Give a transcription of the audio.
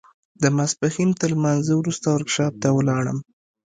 د ماسپښين تر لمانځه وروسته ورکشاپ ته ولاړم.